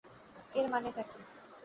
এর মানেটা কী?